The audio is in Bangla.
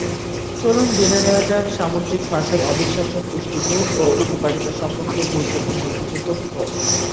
চলুন জেনে নেয়া যাক সামুদ্রিক মাছের অবিশ্বাস্য পুষ্টিগুণ ও উপকারিতা সর্ম্পকে গুরুত্বপূর্ণ কিছু তথ্য।